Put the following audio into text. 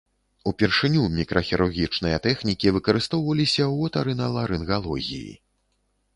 Упершыню мікрахірургічныя тэхнікі выкарыстоўваліся ў отарыналарынгалогіі.